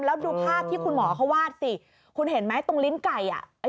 แล้วดูภาพที่คุณหมอเขาวาดสิคุณเห็นไหมตรงลิ้นไก่อ่ะ